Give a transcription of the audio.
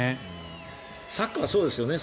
サッカーはそうですよね。